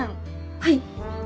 はい。